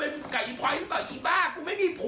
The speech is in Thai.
ยีพอย้มาถามว่ากับก๋อยพอย้หรือเปล่ายีบ้ากูไม่มีผัว